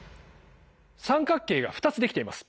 三角形が２つ出来ています。